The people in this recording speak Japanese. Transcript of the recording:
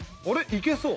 いけそう。